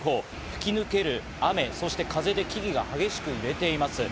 吹き抜ける雨、そして風で木々が激しく揺れています。